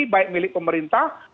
baik milik pemerintah